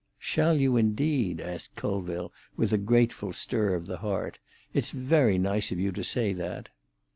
"Shall you, indeed?" asked Colville, with a grateful stir of the heart. "It's very nice of you to say that."